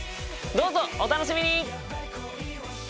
どうぞお楽しみに！